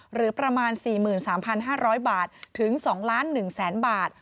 หรือประมาณ๔๓๕๐๐บาทถึง๒๑๐๐๐๐๐บาท